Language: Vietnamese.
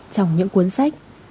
trong những cuốn sách